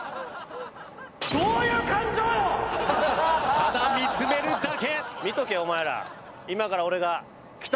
ただ見つめるだけ。